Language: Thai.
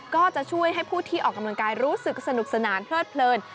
ก็จะช่วยให้ผู้ที่ออกกำลังกายรู้สึกสนุกสนานเพลิดเพลิน